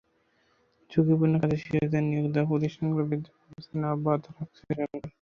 ঝুঁকিপূর্ণ কাজে শিশুদের নিয়োগ দেওয়া প্রতিষ্ঠানগুলোর বিরুদ্ধে ব্যবস্থা নেওয়া অব্যাহত রাখছে সরকার।